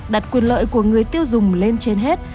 đặt quyền lợi của người tiêu dùng lên trên hết